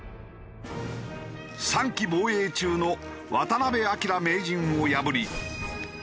３期防衛中の渡辺明名人を破り。